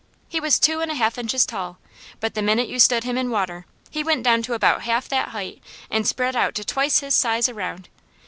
He was two and a half inches tall; but the minute you stood him in water he went down to about half that height and spread out to twice his size around.